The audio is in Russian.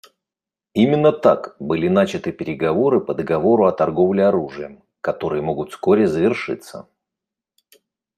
Именно так были начаты переговоры по договору о торговле оружием, которые могут вскоре завершиться.